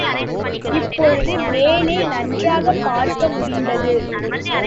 இப்பொழுது மேலே நன்றாகப் பார்க்க முடிந்தது.